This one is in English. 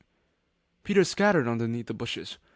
Peter scuttered underneath the bushes.